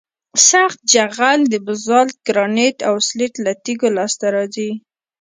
سخت جغل د بزالت ګرانیت او سلیت له تیږو لاسته راځي